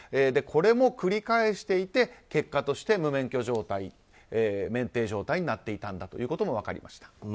これも繰り返していて結果として無免許状態免停状態になっていたということも分かりました。